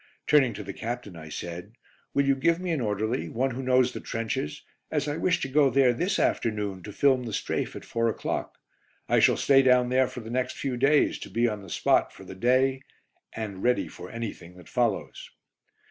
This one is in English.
Turning to the Captain, I said: "Will you give me an orderly? One who knows the trenches, as I wish to go there this afternoon to film the 'strafe' at 4 o'clock. I shall stay down there for the next few days, to be on the spot for 'The Day,' and ready for anything that follows."